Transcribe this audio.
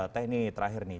teknik terakhir nih